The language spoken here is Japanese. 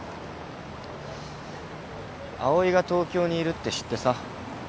葵が東京にいるって知ってさ。